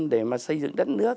để mà xây dựng đất nước